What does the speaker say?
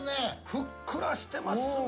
ふっくらしてますね。